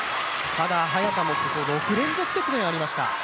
ただ、早田も６連続得点がありました。